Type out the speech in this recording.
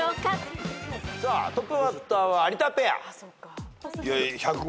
さあトップバッターは有田ペア。